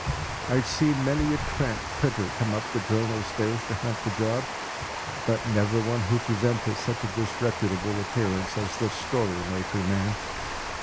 I had seen many a tramp printer come up the Journal stairs to hunt a job, but never one who presented such a disreputable appearance as this story maker man.